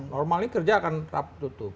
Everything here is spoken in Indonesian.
normal ini kerja akan tetap tutup